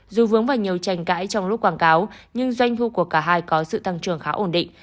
dù vướng vào nhiều tranh cãi trong lúc quảng cáo nhưng doanh thu của cả hai có sự tăng trưởng khá ổn định